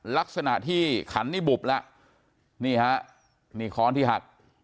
ลักษณะที่ขันนี่บุบแล้วนี่ฮะนี่ค้อนที่หัก